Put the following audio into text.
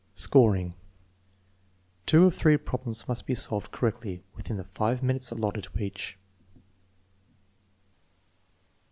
Scoring. Two of the three problems must be solved cor rectly within the 5 minutes alloted to each.